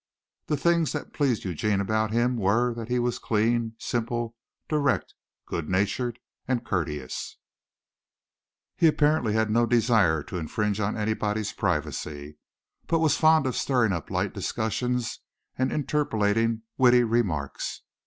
The things that pleased Eugene about him were that he was clean, simple, direct, good natured and courteous. He had apparently no desire to infringe on anybody's privacy, but was fond of stirring up light discussions and interpolating witty remarks.